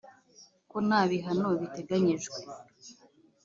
ko nta bihano biteganyijwe?